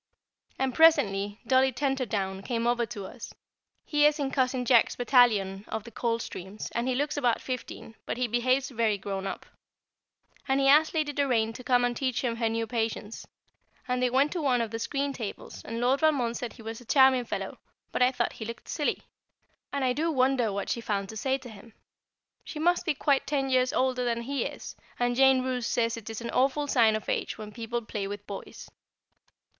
And presently Dolly Tenterdown came over to us (he is in Cousin Jack's battalion of the Coldstreams, and he looks about fifteen, but he behaves very "grown up"), and he asked Lady Doraine to come and teach him her new "Patience"; and they went to one of the screen tables, and Lord Valmond said he was a charming fellow, but I thought he looked silly, and I do wonder what she found to say to him. She must be quite ten years older than he is, and Jane Roose says it is an awful sign of age when people play with boys.